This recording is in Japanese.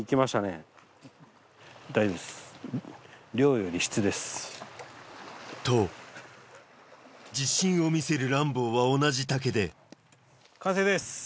大丈夫です。と自信を見せるランボーは同じ竹で完成です。